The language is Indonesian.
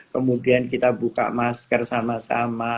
kemudian kita buka masker sama sama